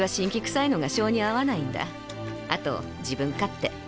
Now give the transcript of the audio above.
あと自分勝手。